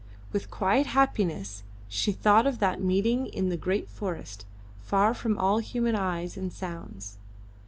With quiet happiness she thought of that meeting in the great forest, far from all human eyes and sounds.